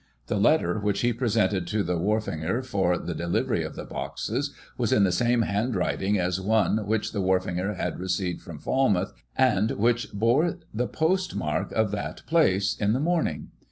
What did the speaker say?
The letter which he presented to the wharfinger for the delivery of the boxes was in the same handwriting as one which the wharfinger had received from Falmouth, and which bore the postmark of that place, in the morning.